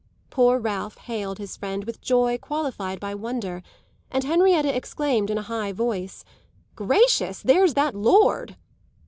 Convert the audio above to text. Poor Ralph hailed his friend with joy qualified by wonder, and Henrietta exclaimed in a high voice "Gracious, there's that lord!"